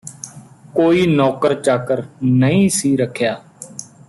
ਕੋਈ ਨੌਕਰ ਚਾਕਰ ਨਹੀਂ ਸੀ ਰੱਖਿਆ